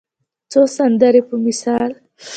څو سندرې په مثال